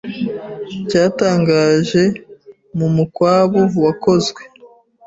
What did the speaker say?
cyatangaje mu mukwabu wakozwe